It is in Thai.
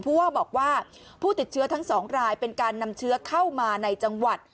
ว่าบอกว่าผู้ติดเชื้อทั้งสองรายเป็นการนำเชื้อเข้ามาในจังหวัด